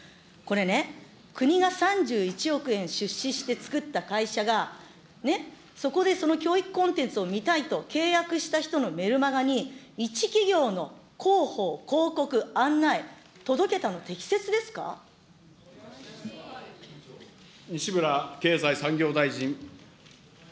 これね、国が３１億円出資して作った会社が、そこでその教育コンテンツを見たいと、契約した人のメルマガに一企業の広報、広告、西村経済産業大臣。